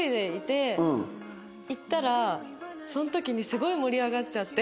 行ったらその時にすごい盛り上がっちゃって。